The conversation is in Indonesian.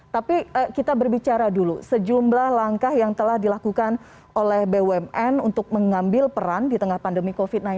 tapi kita berbicara dulu sejumlah langkah yang telah dilakukan oleh bumn untuk mengambil peran di tengah pandemi covid sembilan belas